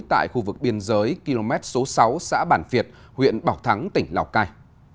tại khu vực biên giới km số sáu xã bản việt huyện bảo thắng tỉnh lào cai